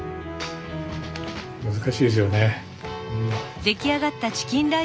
難しいですよね。